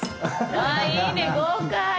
あいいね豪快！